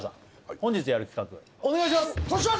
本日やる企画お願いします！